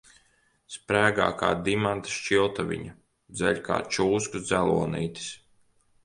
Sprēgā kā dimanta šķiltaviņa, dzeļ kā čūskas dzelonītis.